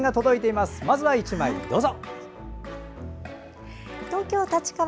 まずは１枚どうぞ。